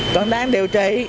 còn đang điều trị